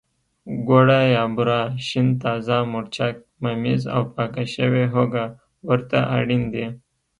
ګوړه یا بوره، شین تازه مرچک، ممیز او پاکه شوې هوګه ورته اړین دي.